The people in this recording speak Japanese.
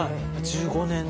１５年の。